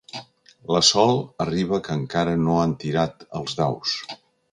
La Sol arriba que encara no han tirat els daus.